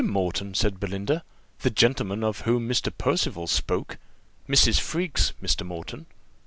Moreton!" said Belinda, "the gentleman of whom Mr. Percival spoke, Mrs. Freke's Mr. Moreton?"